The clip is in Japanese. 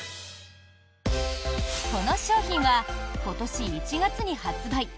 この商品は今年１月に発売。